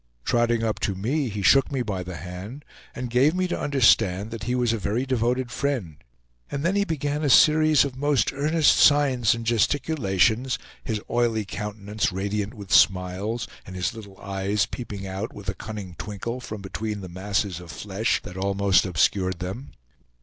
Trotting up to me he shook me by the hand, and gave me to understand that he was a very devoted friend; and then he began a series of most earnest signs and gesticulations, his oily countenance radiant with smiles, and his little eyes peeping out with a cunning twinkle from between the masses of flesh that almost obscured them.